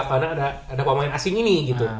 karena ada pemain asing ini gitu